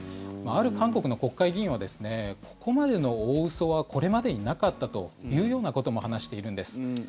ある韓国の国会議員はここまでの大嘘はこれまでになかったというようなことも話しているんです。